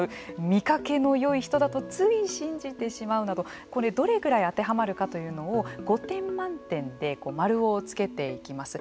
見かけのよい人だとつい信じてしまうなどこれ、どれぐらい当てはまるかというのを５点満点で丸をつけていきます。